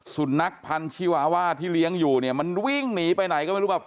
สุนัขพันธิวาว่าที่เลี้ยงอยู่เนี่ยมันวิ่งหนีไปไหนก็ไม่รู้แบบ